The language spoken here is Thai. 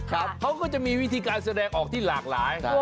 เขาก็จะมีวิธีการแสดงออกที่หลากหลาย